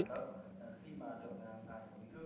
hãy đăng ký kênh để nhận thông tin nhất